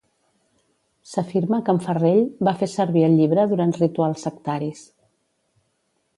S'afirma que en Ferrell va fer servir el llibre durant rituals sectaris.